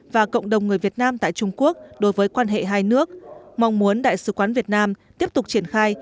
và cộng đồng người việt nam tại trung quốc đối với quan hệ hai nước mong muốn đại sứ quán việt nam tiếp tục triển khai